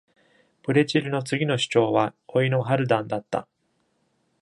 ブレチルの次の首長は甥のハルダンだった。